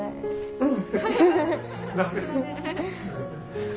うん。